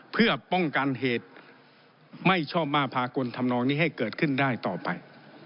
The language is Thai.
เพื่อป้องกันเหตุไม่ชอบมาพากลทำนองนี้ให้เกิดขึ้นได้ต่อไป